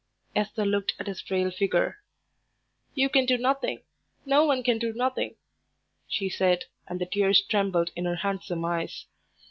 Esther looked at his frail figure. "You can do nothing; no one can do nothing," she said, and the tears trembled in her handsome eyes.